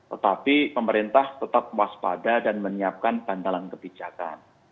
tetapi pemerintah tetap waspada dan menyiapkan bantalan kebijakan